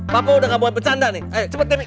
papa udah gak buat bercanda nih ayo cepet debbie